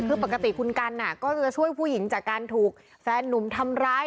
คือปกติคุณกันก็จะช่วยผู้หญิงจากการถูกแฟนนุ่มทำร้าย